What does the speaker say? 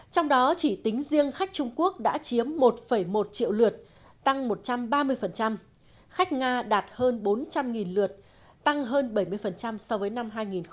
trong đó chỉ tính riêng khách trung quốc đã chiếm một một triệu lượt tăng một trăm ba mươi khách nga đạt hơn bốn trăm linh lượt tăng hơn bảy mươi so với năm hai nghìn một mươi bảy